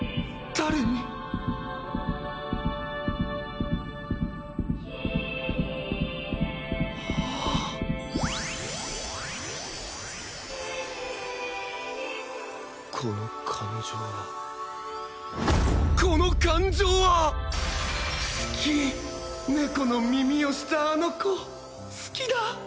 誰にこの感情はこの感情は好き猫の耳をしたあの子好きだ！